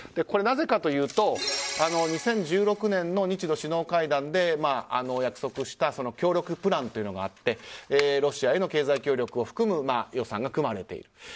なぜかというと２０１６年の日露首脳会談で約束した協力プランというのがあってロシアへの経済協力を含む予算が組まれている。